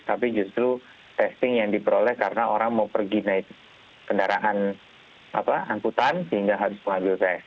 tapi justru testing yang diperoleh karena orang mau pergi naik kendaraan angkutan sehingga harus mengambil tes